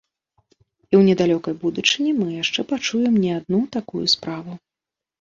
І ў недалёкай будучыні мы яшчэ пачуем не адну такую справу.